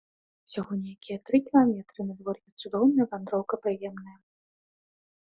Усяго нейкія тры кіламетры, надвор'е цудоўнае, вандроўка прыемная.